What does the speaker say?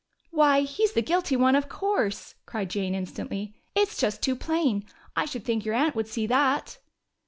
"Why, he's the guilty one, of course!" cried Jane instantly. "It's just too plain. I should think your aunt would see that."